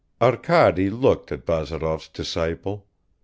Arkady looked at Bazarov's disciple.